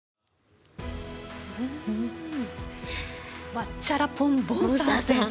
ワッチャラポン・ボンサー選手。